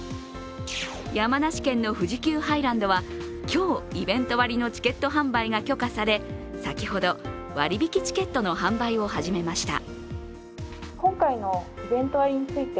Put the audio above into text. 山梨県の富士急ハイランドは今日、イベント割のチケット販売が許可され、先ほど割引チケットの販売を始めました。